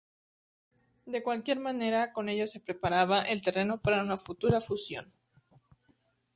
De cualquier manera, con ello se preparaba el terreno para una futura fusión.